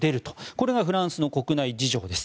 これがフランスの国内事情です。